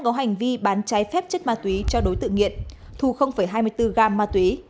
có hành vi bán trái phép chất ma túy cho đối tượng nghiện thu hai mươi bốn gam ma túy